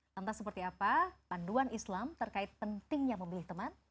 lantas seperti apa panduan islam terkait pentingnya memilih teman